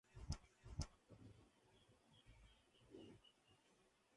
De regreso a casa se entera por los periódicos de los asesinatos que cometió.